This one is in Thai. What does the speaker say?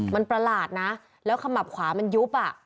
มันประหลาดนะแล้วขมับขวามันยุบอ่ะ